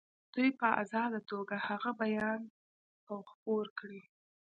دوی په آزاده توګه هغه بیان او خپور کړي.